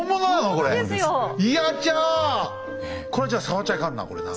これじゃあ触っちゃいかんなこれな。